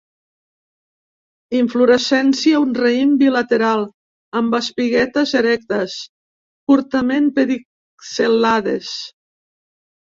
Inflorescència un raïm bilateral, amb espiguetes erectes, curtament pedicel·lades